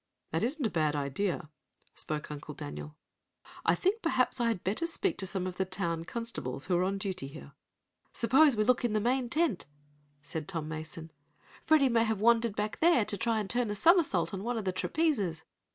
"That isn't a bad idea," spoke Uncle Daniel. "I think perhaps I had better speak to some of the town constables who are on duty here." "Suppose we look in the big main tent," said Tom Mason. "Freddie may have wandered back in there to try and turn a somersault on one of the trapezes."